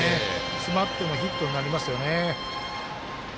詰まってもヒットになりますよね。